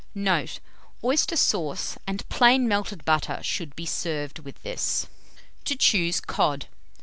Note. Oyster sauce and plain melted butter should be served with this. TO CHOOSE COD.